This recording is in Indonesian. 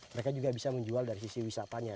mereka juga bisa menjual dari sisi wisatanya